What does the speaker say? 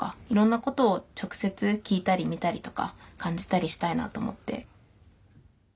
いろんなことを直接聞いたり見たりとか感じたりしたいなと思って。